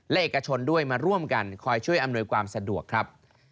และเอกชนด้วยมาร่วมกันคอยช่วยอำนวยความสะดวกครับ